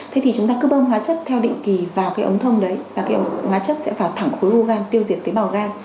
thế thì chúng ta cứ bơm hóa chất theo định kỳ vào cái ống thông đấy và cái hóa chất sẽ vào thẳng khối rugan tiêu diệt tế bào gan